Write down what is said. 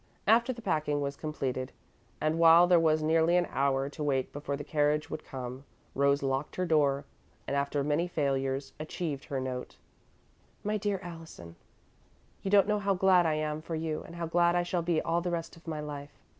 After the packing was completed and while there was still nearly an hour to wait before the carriage would come, Rose locked her door, and, after many failures, achieved her note: "MY DEAR ALLISON: "You don't know how glad I am for you and how glad I shall be all the rest of my life.